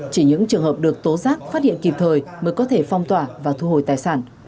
chỉ những trường hợp được tố giác phát hiện kịp thời mới có thể phong tỏa và thu hồi tài sản